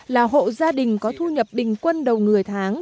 là hộ gia đình có thu nhập bình quân đầu người tháng